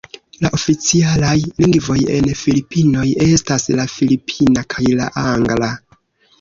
La oficialaj lingvoj en Filipinoj estas la filipina kaj la angla.